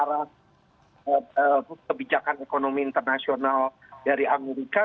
dan ini memang naras kebijakan ekonomi internasional dari amerika